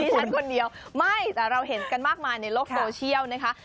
ฉันคนเดียวไม่แต่เราเห็นกันมากมายในโลกโซเชียลนะคะ